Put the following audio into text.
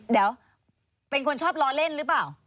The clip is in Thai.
เดี๋ยวเป็นคนชอบล้อเล่นหรือเปล่า